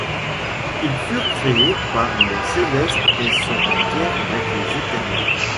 Ils furent créés par les Célestes et sont en guerre avec les Éternels.